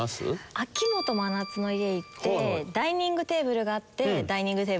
秋元真夏の家行ってダイニングテーブルがあってダイニングテーブル買いました。